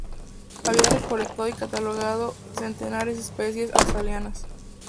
Había recolectado y catalogado centenares de especies australianas.